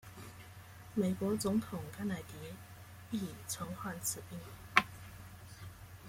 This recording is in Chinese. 美国总统甘乃迪亦曾患此病。